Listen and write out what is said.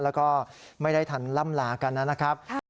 แล้วก็ไม่ได้ทันล่ำลากันนะครับ